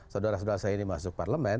saudara saudara saya ini masuk parlemen